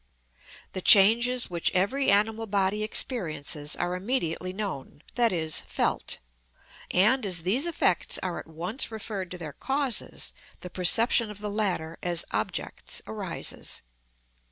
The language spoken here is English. The changes which every animal body experiences, are immediately known, that is, felt; and as these effects are at once referred to their causes, the perception of the latter as objects arises.